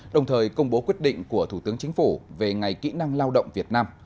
đồng thời công bố quyết định của thủ tướng chính phủ về ngày kỹ năng lao động việt nam